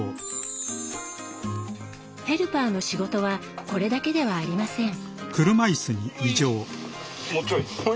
ヘルパーの仕事はこれだけではありません。